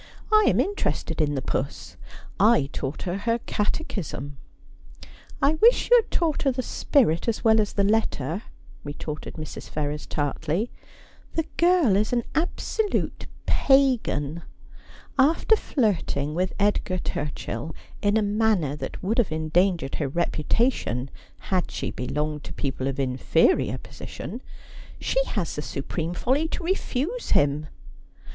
' I am interested in the puss. I taught her her Cate chism.' ' I wish you had taught her the spirit as well as the letter, ' retorted Mrs. Ferrers tartly. ' The girl is an absolute pagan. After flirting with Edgar Turchill in a manner that would have endangered her reputation had she belonged to people of infe rior position, she has the supreme folly to refuse him.'